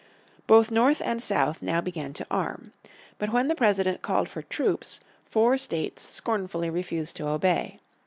Both North and South now began to arm. But when the President called for troops four states scornfully refused to obey.